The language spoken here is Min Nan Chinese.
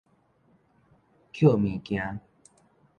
抾物件